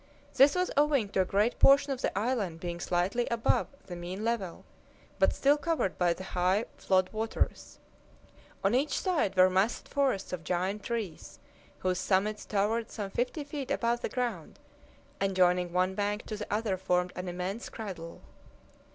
This was owing to a great portion of the island being slightly above the mean level, but still covered by the high flood waters. On each side were massed forests of giant trees, whose summits towered some fifty feet above the ground, and joining one bank to the other formed an immense cradle.